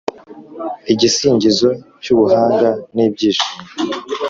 Igisingizo cy’ubuhanga n’ibyishimo